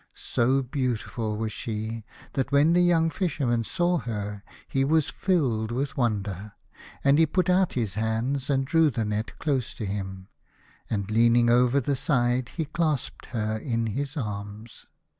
So beautiful was she that when the young Fisherman saw her he was filled with wonder, and he put out his hand and drew the net close to him, and leaning over the side he clasped her in his arms.